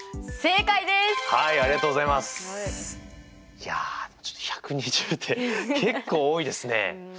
いやちょっと１２０って結構多いですね。